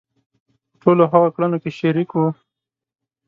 په ټولو هغو کړنو کې شریک وو.